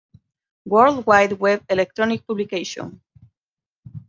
World Wide Web electronic publication.